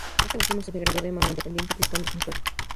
Este último se degradó de manera independiente, aplicándole un suero.